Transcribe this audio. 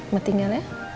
mbak tinggal ya